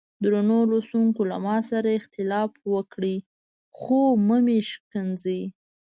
درنو لوستونکو له ما سره اختلاف وکړئ خو مه مې ښکنځئ.